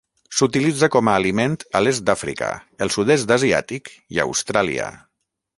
S'utilitza com a aliment a l'est d'Àfrica, el Sud-est asiàtic i Austràlia.